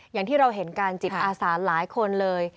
อย่างที่เราเห็นการจิตอาสาหลายคนเลย